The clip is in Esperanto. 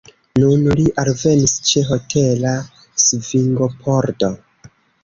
Nun li alvenis ĉe hotela svingopordo.